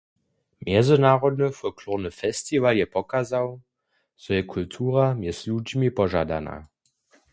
Mjezynarodny folklorny festiwal je pokazał, zo je kultura mjez ludźimi požadana.